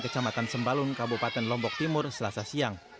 kecamatan sembalun kabupaten lombok timur selasa siang